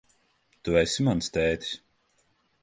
Tu esi mans tētis?